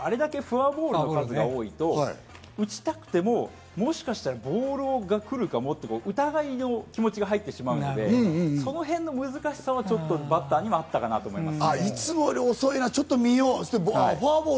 あれだけフォアボールの数が多いと打ちたくても、もしかしたらボールが来るかもっていう疑いの気持ちが入ってしまうので、そのへんの難しさがバッターにはあったかなと思います。